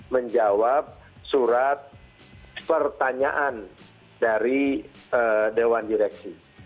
menjawab surat pertanyaan dari dewan direksi